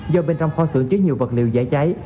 do bên trong kho xưởng chứa nhiều vật liệu dễ cháy